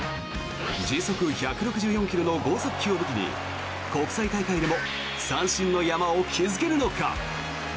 時速１６４ｋｍの豪速球を武器に国際大会でも三振の山を築けるのか。